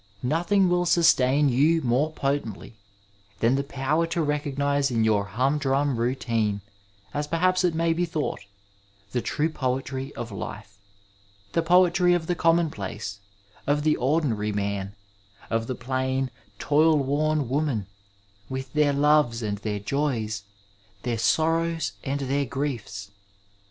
Nothing will sustain you more potently than the power to recognize in your humdrum routine, as perhaps it may be thought, the true poetry of life — ^the poetry of the commonplace, of the ordinary man, of the plain, toil worn woman, with their loves and their joys, their sorrows and their griefs.